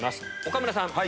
岡村さん